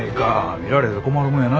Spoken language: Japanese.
見られて困るもんやなし。